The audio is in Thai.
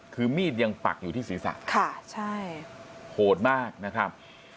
คือมีดยังปักอยู่ที่ศีรษะค่ะใช่โหดมากนะครับ